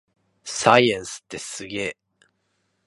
サイエンスってすげぇ